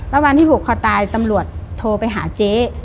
วันที่ผูกคอตายตำรวจโทรไปหาเจ๊